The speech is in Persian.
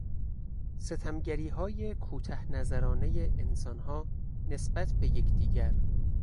ستمگریهای کوته نظرانهی انسانها نسبت به یکدیگر